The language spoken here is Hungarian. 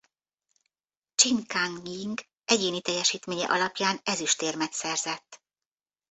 Csin Kan-jing egyéni teljesítménye alapján ezüstérmet szerzett.